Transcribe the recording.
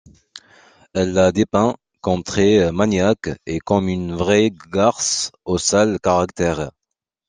Elle la dépeint comme très maniaque et comme une vraie garce au sale caractère.